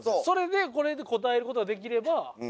それでこれで応えることができれば。